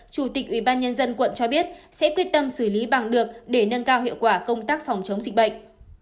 chủ tịch ủy ban nhân dân quận cho biết sẽ quyết tâm xử lý bằng được để nâng cao hiệu quả công tác phòng chống dịch bệnh